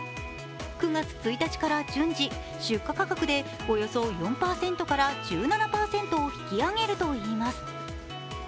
９月１日から順次出荷価格でおよそ４％から１７％を引き上げるといいます。